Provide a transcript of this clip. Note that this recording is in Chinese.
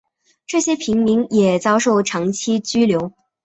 这些平民也遭受长期拘留。